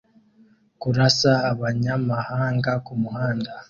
Kurasa abanyamahanga kumuhanda